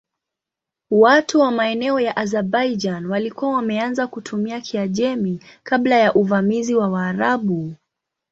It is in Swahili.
Watu wa maeneo ya Azerbaijan walikuwa wameanza kutumia Kiajemi kabla ya uvamizi wa Waarabu.